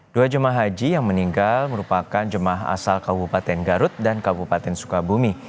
dua jemaah haji yang meninggal merupakan jemaah asal kabupaten garut dan kabupaten sukabumi